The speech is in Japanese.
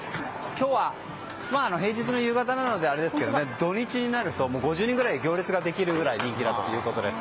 今日は平日の夕方なのであれですけど土日になると５０人くらい行列ができるくらい人気だということです。